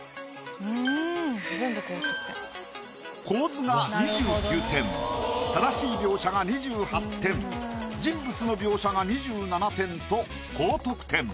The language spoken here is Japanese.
構図が２９点正しい描写が２８点人物の描写が２７点と高得点。